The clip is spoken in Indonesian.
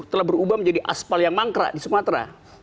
telah berubah menjadi aspal yang mangkrak di sumatera